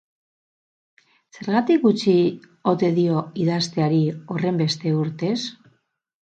Zergatik utzi ote dio idazteari horrenbeste urtez?